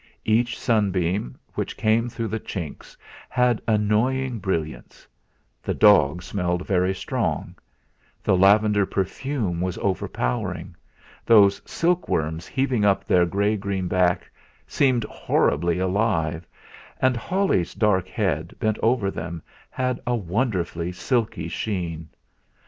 Each sunbeam which came through the chinks had annoying brilliance; that dog smelled very strong; the lavender perfume was overpowering; those silkworms heaving up their grey green backs seemed horribly alive; and Holly's dark head bent over them had a wonderfully silky sheen.